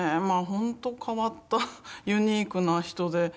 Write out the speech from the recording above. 本当変わったユニークな人で。